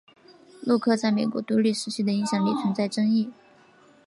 洛克在美国独立时期的影响力存在争议。